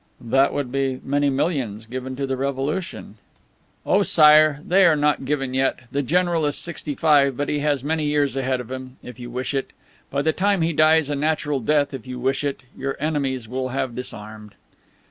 "That would be many millions given to the Revolution." "Oh, Sire, they are not given yet. The general is sixty five, but he has many years ahead of him, if you wish it. By the time he dies a natural death, if you wish it your enemies will have disarmed."